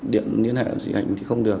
điện liên hệ với chị hạnh không được